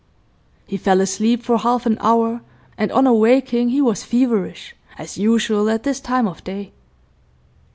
He fell asleep for half an hour, and on awaking he was feverish, as usual at this time of day.